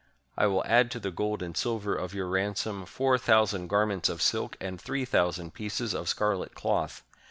I will add to the gold and silver of your ransom, four thousand garments of silk and three thousand pieces of scarlet cloth.